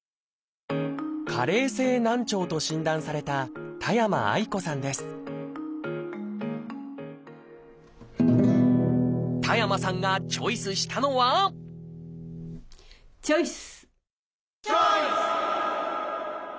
「加齢性難聴」と診断された田山さんがチョイスしたのはチョイス！